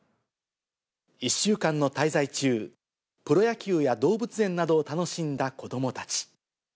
１週間の滞在中、プロ野球や動物園などを楽しんだ子どもたち。